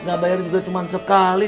nggak bayar juga cuma sekali